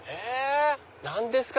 何ですか？